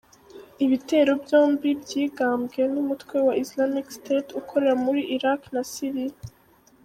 Ibitero byombi byigambwe n’umutwe wa Islamic State ukorera muri Iraq na Syria.